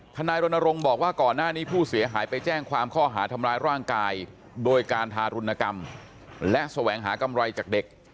นายรณรงค์บอกว่าก่อนหน้านี้ผู้เสียหายไปแจ้งความข้อหาทำร้ายร่างกายโดยการทารุณกรรมและแสวงหากำไรจากเด็ก